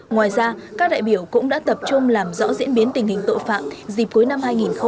ngoài ra các đại biểu cũng đã tập trung làm rõ diễn biến tình hình tội phạm dịp cuối năm hai nghìn hai mươi ba